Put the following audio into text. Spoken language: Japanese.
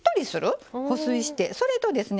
それとですね